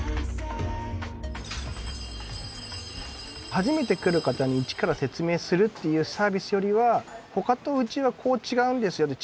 初めて来る方に一から説明するっていうサービスよりはほかとうちはこう違うんですよって